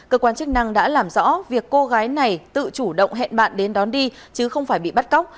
cơ quan chức năng đã làm rõ việc cô gái này tự chủ động hẹn bạn đến đón đi chứ không phải bị bắt cóc